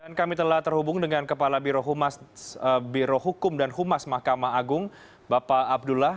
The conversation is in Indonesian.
dan kami telah terhubung dengan kepala biro hukum dan humas mahkamah agung bapak abdullah